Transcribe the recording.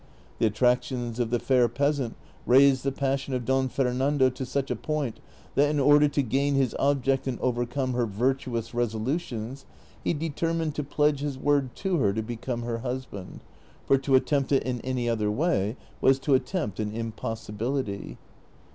The attractions of the fair peasant raised the j^assion of Don Fernando to such a point that, in order to gain his object and overcome her virtuous resolutions, he determined to pledge his word to her to become lier husband, for to attempt it ia any other way was to attempt an impossibility.